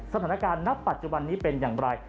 สถานการณ์ณปัจจุบันนี้เป็นอย่างไร